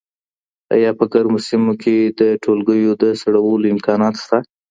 آیا په ګرمو سیمو کي د ټولګیو د سړولو امکانات سته؟